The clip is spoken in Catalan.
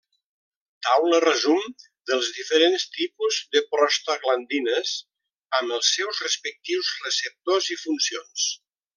Taula resum dels diferents tipus de prostaglandines amb els seus respectius receptors i funcions.